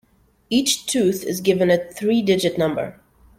Each tooth is given a three digit number.